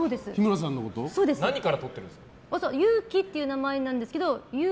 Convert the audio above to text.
勇紀っていう名前なんですけどゆう